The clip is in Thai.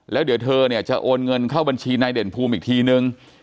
แล้วเดี๋ยวเธอเนี่ยจะโอนเงินเข้าบัญชีนายเด่นภูมิอีกทีนึง